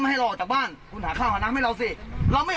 ให้เราออกจากบ้านคุณหาข้าวหาน้ำให้เราสิเราไม่